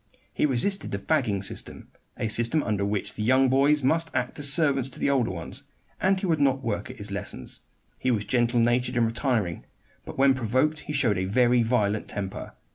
He resisted the "fagging" system, a system under which the young boys must act as servants to the older ones, and he would not work at his lessons. He was gentle natured and retiring; but when provoked he showed a very violent temper.